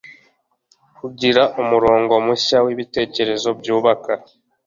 kugira umurongo mushya w'ibitekerezo byubaka